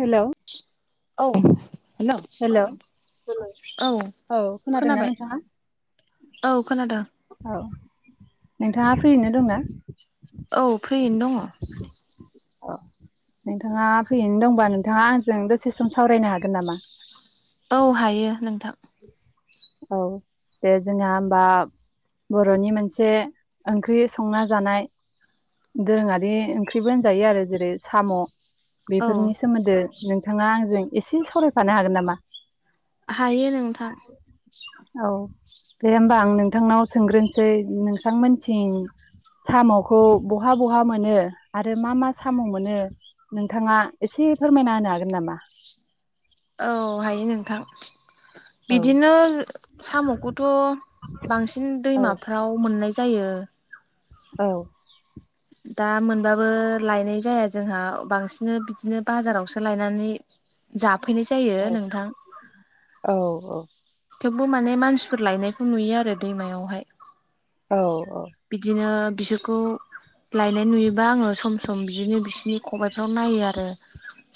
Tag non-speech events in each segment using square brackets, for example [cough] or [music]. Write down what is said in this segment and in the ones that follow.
Hello. औे नोंथां। Hello. औ। औ खोनादों ना खोनाबाय नोंथाङा? औ खोनादो। औ नोंथाङा फ्रियैनो दंना? औ फ्रियैनो दङ। औ। नोंथाङा फ्रियैनो दंबा नोंथाङा आंजों दसे सम सावरायनो हागोन नामा? औ हायो नोंथां। औ दे जोंहा होमबा बर'नि मोनसे ओंख्रि संना जानाय दोरोङारि ओंख्रिबो होनजायो आरो जेरै साम' औ बेफोरनि सोमोन्दो नोंथाङा आंजों एसे सावरायफानो हागोन नामा? हायो नोंथां। औ दे होमबा आं नोंथांनाव सोंग्रोनोसै नोंसांमोनथिं साम'खौ बहा बहा मोनो आरो मा मा साम' मोनो? नोंथाङा एसे फोरमायना होनो हागोन नामा? औ हायो नोंथां। बिदिनो साम'खौथ' बांसिन ओमफाय दैमाफ्राव मोननाय जायो। औ। दा मोनबाबो लायनाय जाया जोंहा बांसिन बिदिनो बाजारावसो लायनानै जाफैनाय जायो नोंथां। औ औ। थेवबो माने मानसिफोर लायनायखौ नुयो आरो दैमायावहाय। औ औ। बिदिनो बिसोरखौ लायनाय नुयोबा आङो सम सम बिदिनो बिसिनि खबाइफ्राव नायो आरो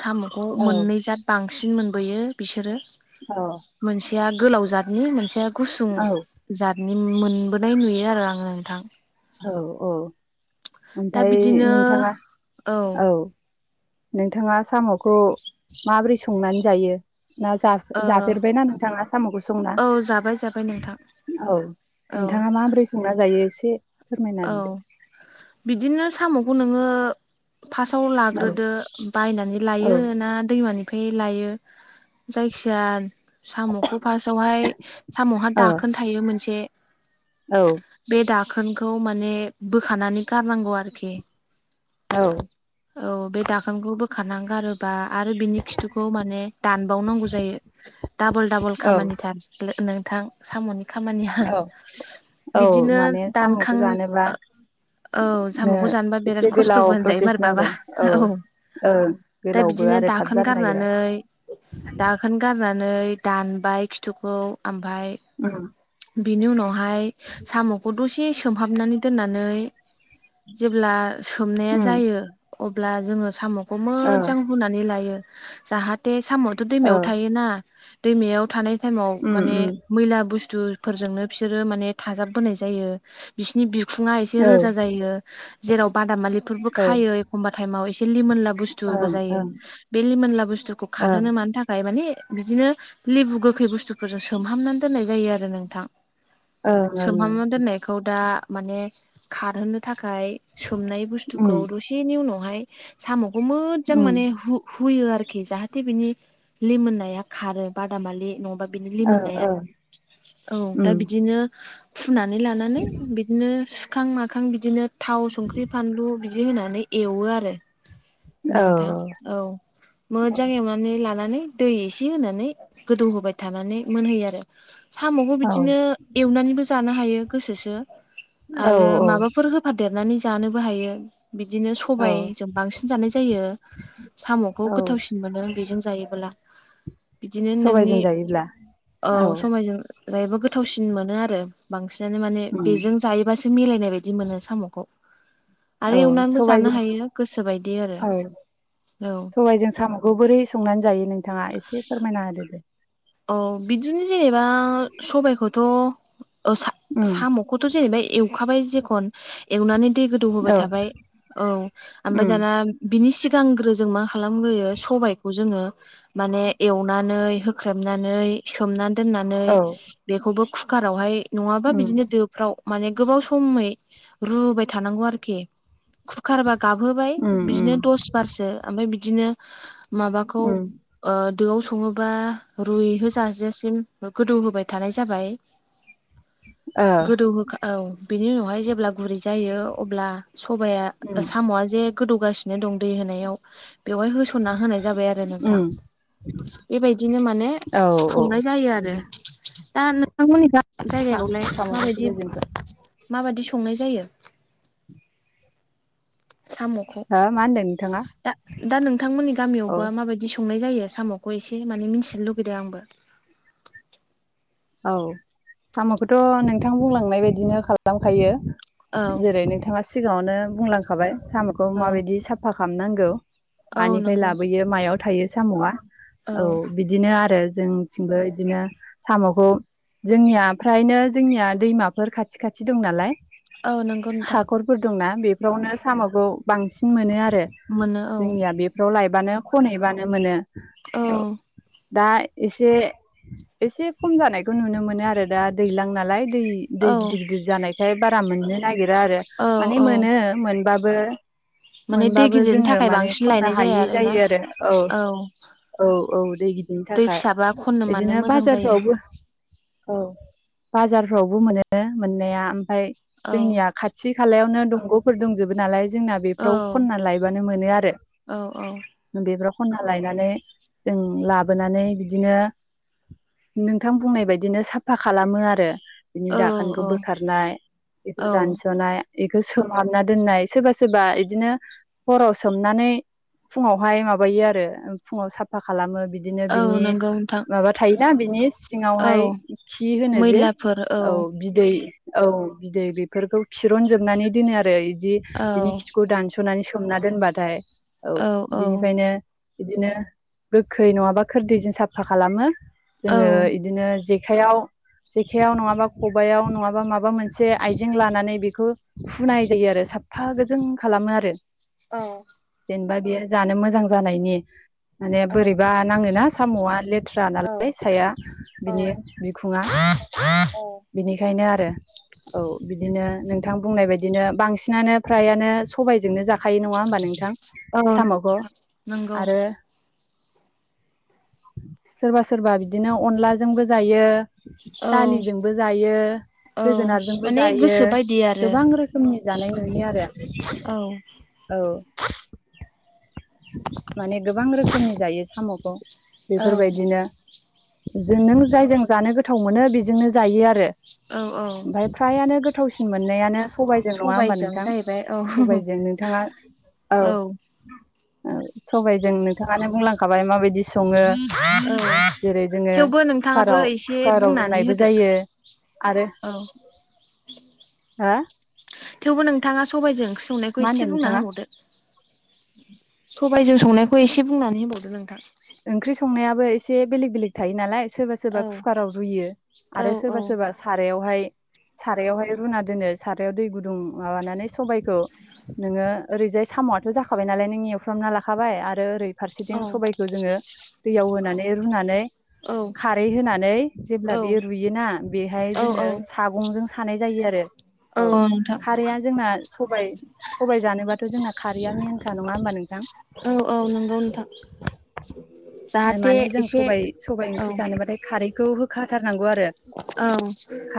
साम'खौ मोननै जाद बांसिन मोनबोयो बिसोरो। औ। मोनसेया गोलाव जाथनि मोनसेया गुसुं जाथनि मोनबोनाय नुयो आरो आङो। थां। औ औ दा ओमफाय बिदिनो नोंथाङा औ। नोंथाङा साम'खौ माबोरै संनानै जायो? ना ओ जाफ-जाफेरबायना नोंथाङा साम'खौ संना? औ जाबाय जाबाय नोंथां औ औ नोंथाङा माबोरै संना जायो एसे फोरमायना औ बिदिनो साम'खौ नोङो फासाव होदो लाग्रोदो बायनानै औ लायो ना दैमानि निफाय लायो जायखिजाया साम'खौ फासावहाय साम'हा औ दाखोन थायो मोनसे‌। औ। बे दाखोनखौ माने बोखानानै गारनांगौ आरोखि। औ। औ बे दाखोनखौ बोखारना गारो बा आरो बिनि खिथुखौ माने दानबावनांगौ जायो डाबल डाबल औ खामानिथार लो नोंथां साम'नि खामानिया औ औ बिदिनो माने दान साम'खौ जानोबा औ नो साम'खौ जानोबा एसे बिराद गोलाव खस्थ'बो होनजायो प्रसेस मारैबाबा नांगौ औ ओं दा गोलावबो बिदिनो आरो थाब दाखोन जानो नागिरा गारनानै नै दाखोन गारनानै दानबाय खिथुखौ आमफाय उम। बिनि उनावहाय साम'खौ दसे सोमहाबनानै दोननानै जेब्ला सोमनाया उम जायो। अब्ला जोङो साम'खौ ओ मोज्जां हुनानै लायो जाहाथे साम' थ' ओ दैमायाव थायोना दैमायाव थानाय टाइमाव उम माने उम मैला बुस्थुफोरजोंनो बिसोरो माने थाजाबबोनाय जायो बिसिनि बि खुंआ एसे औ रोजा जायो जेराव बादामालिफोरबो औ खायो एखमबा थाइमाव एसे लिमोनला बुसथुबो ओं जायो ओं बे लिमोनला बुस्थुखौ खार ओं होनो मानो था खाय मानि बिदिनो लेबु गोखै बुस्थुफोरजों सोमहाबनानै दोननाय जायो आरो नोंथां। ओं ओं ओं सोमहामना दोननायखौ दा माने खारहोनो थाखाय। सोमनाय बुस्थुखौ उम दसेनि उनावहाय साम'खौ मोजां उम माने हु हुयो आरोखि जाहाथे बिनि लिमोननाया खारो बादामालि नङाबा बिनि ओ लिमोननाया ओ औ दा उम बिदिनो फुनानै लानानै उम बिदिनो सुखां माखां बिदिनो थाव संख्रि फानलु बिदि होनानै एवो आरो औ नोंथां औ मोजाङै एवना नै लानानै दै एसे होनानै गोदौ होबाय थानानै मोनहोयो आरो। साम'खौ औ बिदिनो एवनानैबो जानो हायो गोसोसो। औ आरो माबाफोर होफादेरनानै जानोबो हायो। बिदिनो औ सबायजों बांसिन जानाय जायो। साम'खौ औ गोथावसिन मोनो बेजों जायोबोला। बिदिनो नोंनि सबायजों जायोब्ला। औ सबायजों जायोबो गोथावसिन मोनो आरो बांसिनानो माने उम बेजों जायोबासो मिलायनाय बायदि मोनो साम'खौ। औ आरो एवनानैबो जानो सबायजों हायो गोसोबायदि आरो औ औ सबायजों साम' [unintelligible] बोरै संनानै जायो नोंथाङा एसे फोरमायना होदो। औ बिदिनो जेनेबा सबायखौथ' ओ उम साम' खौथ' जेनेबा एवखाबाय जेखन एवनानै दै गोदौ होबाय औ थाबाय औ ओमफ्राय उम दाना बिनि सिगांग्रो जों मा खालामग्रोयो सबायखौ जोङो माने एवनानै होख्रेमनानै सोमनानै दोननानै औ बेखौबो कुकारावहाय नङाबा उम बिदिनो दो फ्राव माने गोबाव समै रुबाय थानांगौ आरोखि कुकार बा गाबहोबाय उम उम बिदिनो दस बारसो ओमफ्राय बिदिनो माबाखौ उम ओ दोआव सङोबा रुइहो जाजासिम गोदौ होबाय थानाय जाबाय ओ गोदौ होखा औ बिनि उनावहाय जेब्ला गुरै जायो अब्ला सबाया उम साम'आ जे गोदौगासिनो दं दै होनायाव बेवहाय होसनना होनाय जाबाय आरो नोंथां उम बेबायदिनो मा औ औ संनाय जायो आरो दा नोंथांमोननिबा सा जायगायावलाय साम'जों माबायदि सबायजों माबायदि संनाय जायो? साम'खौ हो मानदों? दा दा नोंथांमोननि गामियावबो माबायदि संनाय जायो साम' खौ एसे माने मिन्थिनो लुगैदों आंबो। औ साम'खौथ' नोंथां बुंलांनाय बायदिनो खालामखायो। औ जेरै नोंथाङा सिगाङावनो बुंलांखाबाय साम'खौ औ माबायदि साफा खालामनांगौ। औ मानिफ्राय नंगौ लाबोयो मायाव थायो साम'आ। औ बिदिनो आरो जोंथिंबो बिदिनो साम' खौ जोंनिया फ्रायनो जोंनिया दैमाफोर खाथि खाथि दं नालाय। औ नंगौ नोंथां हाखरफोर दंना बेफोरावनो साम'खौ बांसिन मोनो आरो। मोनो औ जोंनिया बेफोराव लायबानो खनहैबानो मोनो। औ। दा एसे एसे खम जानायखौ नुनो मोनो आरो दा दैज्लां नालाय। दै, दै गिदिर औ गिदिर जानायखाय बारा मोननो नागिरा आरो। औ माने औ मोनो मोनबाबो माने दै मोनबाबो गिदिरनि जोङो थाखाय माने बांसिन खननो लायनाय जाया हायि आरोना जायो आरो। औ। औ औ दै गिदिरनि दै थाखाय। फिसाबा खननो मानो बिदिनो मोजां जायो बाजारफ्राव बो औ बाजारफ्रावबो मोनो मोननाया। आ फाय औ जोंनिया खाथि खालायावनो दंग'फोर दंजोबो नालाय जोंना औ बेफोराव खनना लायबानो मोनो आरो। औ औ बेफ्राव खनना लायनानै जों लाबोनानै बिदिनो नोंथां बुंनाय बायदिनो साफा खालामो आरो। बिनि औ दाखोनखौ औ बोखारनाय बेखौ औ दानस'नाय इखौ सोमहाबना दोननाय सोरबा सोरबा इदिनो हराव सोमनानै फुङावहाय माबायो आरो फुङाव साफा खालामो बि बिदिनो औ बिनि नंगौ नोंथां माबा थायोना बिनि औ सिङावहाय खि होनो जे, औ बिदै औ बिदै बेफोरखौ खिरनजोबनानै दोनो आरो बिदि औ बिनि खिखौ दानस' सुनानै सोमना दोनबाथाय औ बिनिफायनो। बिदिनो गोखै नङाबा खोरदैजों साफा खालामो। औ जोङो बिदिनो जेखायाव जेखायाव नङाबा खबायाव नङाबा माबा मोनसे आइजें लानानै बेखौ फुनाय जायो आरो साफा गोजों खालामो आरो। औ। जेनेबा बियो जानो मोजां जानायनि माने औ बोरैबा नाङोना साम'आ ले थ्रा औ नालाय साया बिनि बिखुङा औ। बिनिखायनो आरो। औ बिदिनो नोंथां बुंनाय बायदिनो बांसिनानो फ्रायानो सबायजोंनो जा खायो नङा होमबा नोंथां औ साम'खौ। नंगौ आरो सोरबा सोरबा बिदिनो अनलाजोंबो जायो। औ दालिजोंबो जायो औ जोगोनारजोंबो माने जायो गोसो बायदि आरो गोबां रो खोमनि जानाय नुयो आरो। औ। औ। माने गोबां रोखोमनि जायो साम'खौ औ बेफोरबायदिनो। जों नों जायजों जानो गोथाव मोनो बेजोंनो जायो आरो। औ औ ओमफाय फ्रायानो गोथावसिन मोननायानो सबायाइजों नङा होमबा सबायजों नोंथां? जाहैबाय औ सबायजों नोंथाङा औ। औ सबायजों नोंथाङानो बुंलांखाबाय माबायदि सङो औ जेरै जोङो थेवबो नोंथाङाबो कुकाराव एसे कुकाराव बुंनानै रुनायबो होदो जायो। औ। हा थेवबो नोंथाङा सबबायजों ओंख्रि संनायखौ मा होनदों एसे बुंना नोंथाङा होबावदो [unintelligible] सबायजों संनायखौ एसे बुंनानै होबावदो नोंथां। ओंख्रि संनायाबो एसे बेलेग बेलेग थायो नालाय सोरबा औ सोरबा कुकाराव रुयो औ आरो सोरबा सोरबा सारायावहाय सारायावहाय रुना दोनो सारायाव दै गुदुं माबानानै सबायाइखौ नोङो ओरैजाय साम'आथ' जाखाबाय नालाय नों एवफ्रामना लाखाबाय आरो ओरै फारसेथिं औ सबायखौ जोङो दैयाव होनानै रुनानै खारै होनानै जेब्ला बेयो औ रुयोना बेहाय औ जोङो सागंजों सानाय जायो आरो औ खारैआ जोंना सबायाइ सबाय जानोबाथ' जोंना खारैया मेनखा नङा होमबा नोंथां औ औ नंगौ नोंथां। [inaudible] माने जों एसे सबाइ सबायाइ औ ओंख्रि जानोबाथाय खारैखौ होखाथारनांगौ आरो औ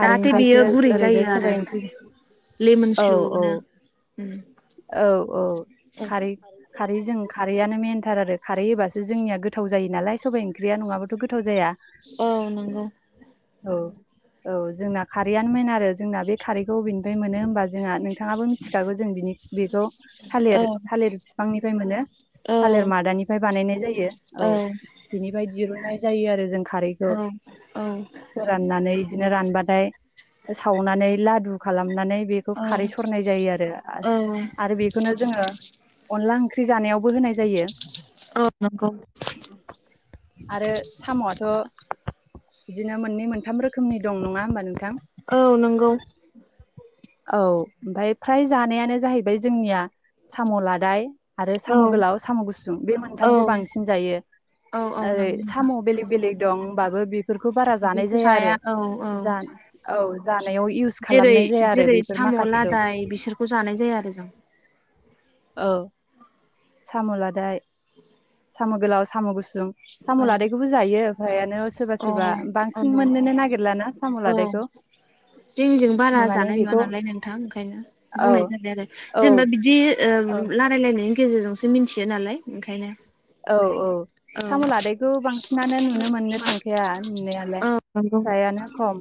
जाहाथे बेयो गुरै ओरैजाय जायो आरो सबाइ ओंख्रि औ औ लेमोनस्लुनो उम औ औ खारै खारै जों खारैआनो मेनथार आरो खारै होबा गोथाव जायो नालाय सबाइ ओंख्रिया नङाबाथ' गोथाव जाया। औ नंगौ औ औ जोंना खारैयानो मेन आरो जोंना बे खारैखौ अबेनिफ्राय मोनो हबा जोंहा नोंथाङाबो मिथिखागौ जों बिनि बेखौ औ थालिर थालिर बिफांनिफ्राय मोनो। औ थालेर मादानिफ्राय बानायनाय जायो। औ बिनिफ्राय दिरुननाय जायो आरो जों खारैखौ औ औ फोराननानै बिदिनो रानबाथाय सावनानै लादु खालामनानै बेखौ औ खारै सरनाय जायो आरो औ आरो बेखौनो जोङो अनला ओंख्रि जानायावबो होनाय जायो। [unintelligible] [unintelligible] आरो साम'आथ' बिदिनो मोननै मोनथाम रोखोमनि दं। नङा होमबा नोंथां? औ नंगौ। औ ओमफाय फ्राय जानायानो जाहैबाय जोंनिया साम' लादाय आरो औ साम' गोलाव साम' गुसुं बे औ मोनथामखौ बां सिन जायो औ नंगौ ओरै नोंथां साम‌' बेलेग बेलेग दं होनबाबो बे फोरखौ बारा जानाय बिदिखौ जाया आरो औ औ जा औ जानायाव इउस जेरै खालामनाय जाया आरो जेरै बेफोर साम' माखासेखौ लादाय बिसोरखौ जानाय जाया आरो जों। औ साम' लादाय साम' गोलाव साम' गुसुं साम' औ लादाय खौबो जायो फ्रायानो सोरबा अ सोरबा औ बांसिन मोननोनो नागिरलाना साम' लादायखौ। जोंनि जों बारा माने जानाय नुवा बेखौ नालाय नोंथां ओंखायनो औ बुंनाय जाबाय आरो औ जेनेबा बिदि ओ औ लारायलायनायनि गेजेरजोंसो मिनथियो नालाय ओंखायनो। औ औ औ साम' लादायखौ बांसिनानो नुनो मोननो थांखाया नुनायालाय। औ नंगौ फ्रायानो खम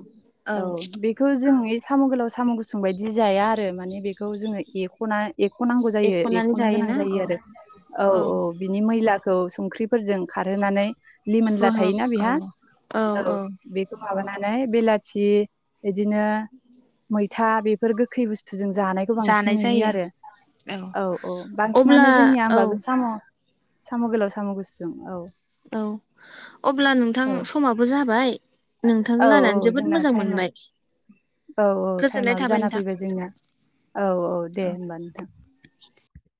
औ बे खौ जों ओइ साम' गोलाव साम' गुसुं बायदि जाया आरो माने बेखौ जोङो एख खना एख'नांगौ जायो एख'नानै एख'नो गोनां जायोना औ जायो आरो औ औ बिनि मैलाखौ संख्रि फोरजों खारहोनानै लिमोनला फोहोब थायोना बेहा औ औ बे माबानानै बेलाथि बिदिनो मैथा बेफोर गोखै बुस थुजों जानायखौ बांसिन जानाय नुयो जायो आरो औ औ अब्ला बांसिनानो जोंनिया औ होमबाबो साम' साम' गोलाव साम' गुसुु औ औ अब्ला औ नोंथां समाबो जाबाय। औ नोंथांलारायलायनानै औ जोबोद जोंना मोजां टाइमा मोनबाय औ औ गोजोननाय थटाइमाबो थाबाय जाना नोंथां फैबाय जोंनि औ औ दे होनबा नोंथां